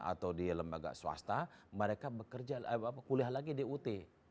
atau di lembaga swasta mereka bekerja kuliah lagi di ut